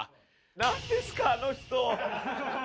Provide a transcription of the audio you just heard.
なんですか、あの人。